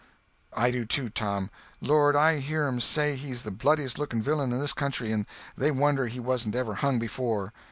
"I do too, Tom. Lord, I hear 'em say he's the bloodiest looking villain in this country, and they wonder he wasn't ever hung before."